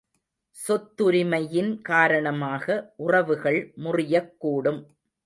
சொத்துரிமையின் காரணமாக உறவுகள் முறியக்கூடும்.